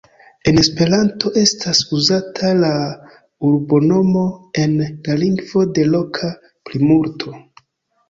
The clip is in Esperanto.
En Esperanto estas uzata la urbonomo en la lingvo de loka plimulto.